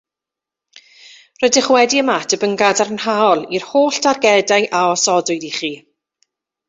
Rydych wedi ymateb yn gadarnhaol i'r holl dargedau a osodwyd i chi